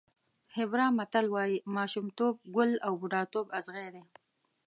هېبرا متل وایي ماشومتوب ګل او بوډاتوب اغزی دی.